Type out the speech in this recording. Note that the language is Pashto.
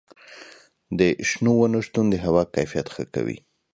د شنو ونو شتون د هوا کیفیت ښه کوي.